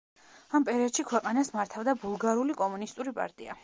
ამ პერიოდში ქვეყანას მართავდა ბულგარული კომუნისტური პარტია.